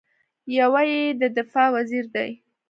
یو یې د دفاع وزیر دی.